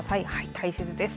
大切です。